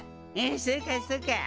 そうかそうか！